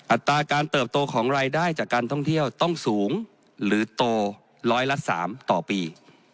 อัตราการเติบโตของรายได้จากการท่องเที่ยวต้องสูงหรือโตร้อยละ๓ต่อปี